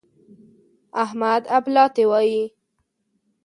احمد اپلاتي وايي.